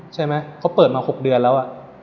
ใช่ไหมเขาเปิดมา๖เดือนแล้ว